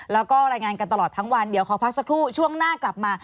แล้วก็รายงานกันตลอดทั้งวันเดี๋ยวขอพักสักครู่ช่วงหน้ากลับมา